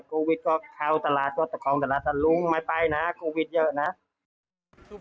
กูวิทธิ์ก็เข้าตลาดตัวต่อของตลาดต่อลุงไม่ไปนะกูวิทธิ์เยอะนะ